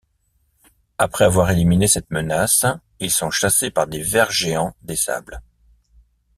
Après avoir éliminé cette menace, ils sont chassés par des vers géants des sables.